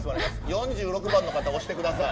４６番の方、押してください。